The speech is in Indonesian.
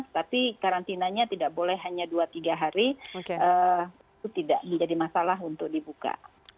tapi karantinanya tidak boleh hanya dua tiga hari itu tidak menjadi masalah untuk dibuka